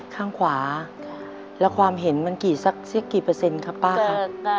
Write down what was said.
ข้างขวาและความเห็นสักกี่เปอร์เซ็นต์ครับป้เล่า